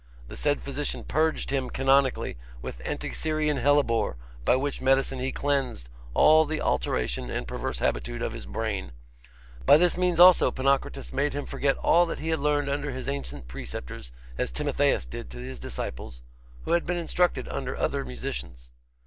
The said physician purged him canonically with Anticyrian hellebore, by which medicine he cleansed all the alteration and perverse habitude of his brain. By this means also Ponocrates made him forget all that he had learned under his ancient preceptors, as Timotheus did to his disciples, who had been instructed under other musicians.